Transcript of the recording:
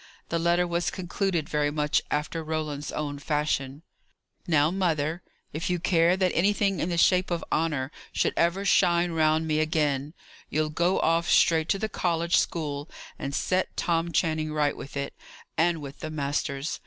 The letter was concluded very much after Roland's own fashion. "Now, mother, if you care that anything in the shape of honour should ever shine round me again, you'll go off straight to the college school, and set Tom Channing right with it and with the masters.